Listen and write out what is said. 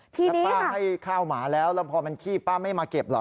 ถ้าป้าให้ข้าวหมาแล้วแล้วพอมันขี้ป้าไม่มาเก็บเหรอ